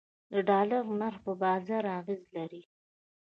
د ډالر نرخ په بازار اغیز لري